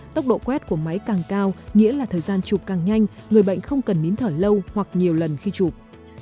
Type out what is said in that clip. tốc độ quét của máy càng cao nghĩa là thời gian chụp càng nhanh người bệnh không cần nín thở lâu hoặc nhiều lần khi chụp